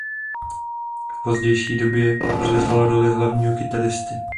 V pozdější době převzal roli hlavního kytaristy.